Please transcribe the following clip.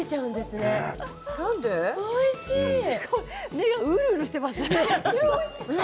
目がうるうるしているますね。